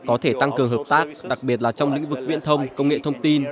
có thể tăng cường hợp tác đặc biệt là trong lĩnh vực viễn thông công nghệ thông tin